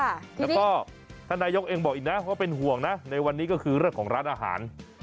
แล้วก็ท่านนายกเองบอกอีกนะว่าเป็นห่วงนะในวันนี้ก็คือเรื่องของร้านอาหาร